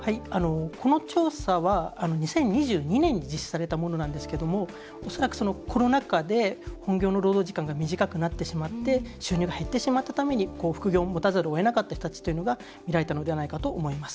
この調査は２０２２年に実施されたものなんですけども恐らく、コロナ禍で本業の労働時間が短くなってしまって収入が減ってしまったために副業をもたざるをえなかった人たちというのが見られたのではないかと思います。